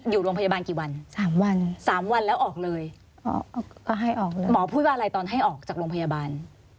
อยู่โรงพยาบาลกี่วัน๓วัน๓วันแล้วออกเลยหมอพูดว่าอะไรตอนให้ออกจากโรงพยาบาล